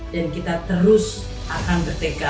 dan kita terus akan bertekad menjalankan